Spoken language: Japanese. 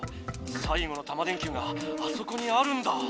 最後のタマ電Ｑがあそこにあるんだ！